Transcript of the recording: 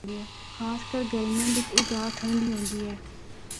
خاص کر گرمیاں بچ اے جآ ٹھنڈی ہوندی اے۔